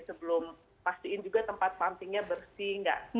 sebelum pastiin juga tempat pumpingnya bersih nggak